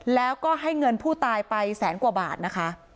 แล้วก็ให้เงินผู้ตายไปแสนกว่าบาทนะคะ